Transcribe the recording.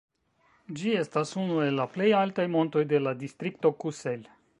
Ĝi estas unu el la plej altaj montoj de la distrikto Kusel.